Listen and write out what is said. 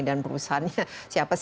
dan perusahaannya siapa sih